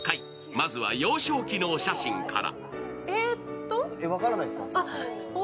まずは幼少期のお写真から。